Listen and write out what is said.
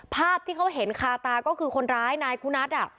ภาพที่เขาเห็นคาตาก็คือคนร้ายนายคุณัท